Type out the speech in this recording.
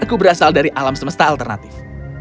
aku berasal dari alam semesta alternatif